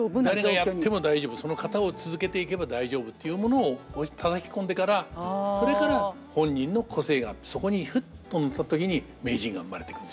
その型を続けていけば大丈夫っていうものをたたき込んでからそれから本人の個性がそこにふっと乗った時に名人が生まれてくるんでしょうね。